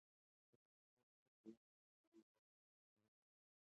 که پښې پاکې وي نو بدې لارې ته نه ځي.